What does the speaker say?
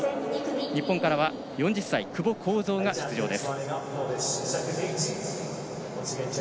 日本からは４０歳の久保恒造が出場です。